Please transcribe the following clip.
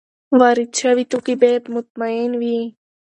وارد شوي توکي باید مطمین وي.